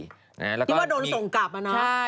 ยึกว่าโดนส่งกลับมาเนอะ